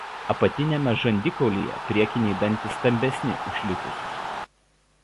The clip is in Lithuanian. Apatiniame žandikaulyje priekiniai dantys stambesni už likusius.